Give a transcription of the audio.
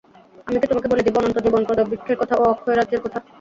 আমি কি তোমাকে বলে দেব অনন্ত জীবনপ্রদ বৃক্ষের কথা ও অক্ষয় রাজ্যের কথা?